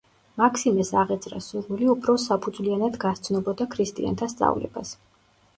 მაქსიმეს აღეძრა სურვილი, უფრო საფუძვლიანად გასცნობოდა ქრისტიანთა სწავლებას.